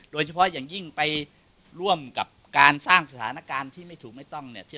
โดยเฉพาะอย่างยิ่งไปร่วมกับการสร้างสถานการณ์ที่ไม่ถูกไม่ต้องเนี่ย